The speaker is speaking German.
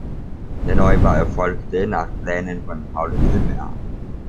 Der Neubau erfolgte nach Plänen von Paul Illmer.